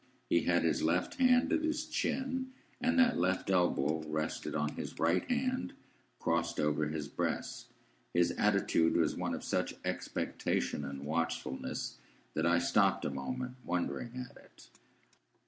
He had his left hand at his chin, and that left elbow rested on his right hand, crossed over his breast. His attitude was one of such expectation and watchfulness that I stopped a moment, wondering at it.